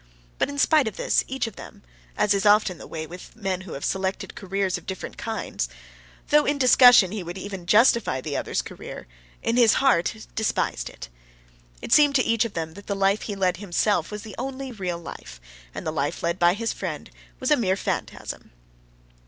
But in spite of this, each of them—as is often the way with men who have selected careers of different kinds—though in discussion he would even justify the other's career, in his heart despised it. It seemed to each of them that the life he led himself was the only real life, and the life led by his friend was a mere phantasm.